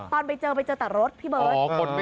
ตอนไปเจอไปเจอแต่รถพี่เบิร์ต